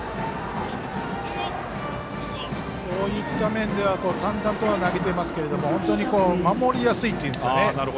そういった面では淡々と投げてますけど守りやすいというんですか。